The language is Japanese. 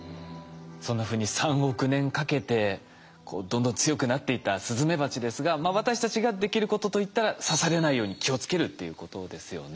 そんなふうに３億年かけてどんどん強くなっていったスズメバチですが私たちができることといったら刺されないように気をつけるということですよね。